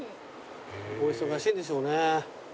お忙しいんでしょうね。